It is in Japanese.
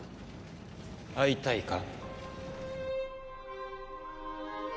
会いたいか？